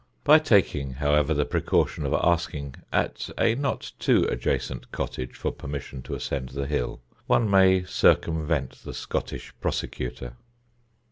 By taking, however, the precaution of asking at a not too adjacent cottage for permission to ascend the hill, one may circumvent the Scottish prosecutor.